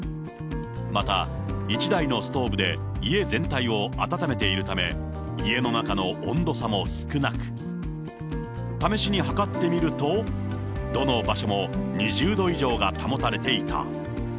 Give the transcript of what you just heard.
また、１台のストーブで家全体を暖めているため、家の中の温度差も少なく、試しに測ってみると、どの場所も２０度以上が保たれていた。